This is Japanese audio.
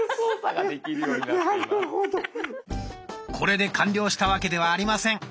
これで完了したわけではありません。